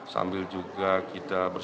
sambil juga kita bersama